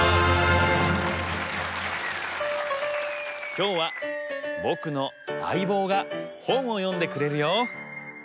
きょうはぼくのあいぼうがほんをよんでくれるよ。